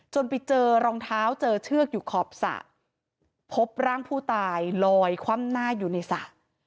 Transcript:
ไปเจอรองเท้าเจอเชือกอยู่ขอบสระพบร่างผู้ตายลอยคว่ำหน้าอยู่ในสระ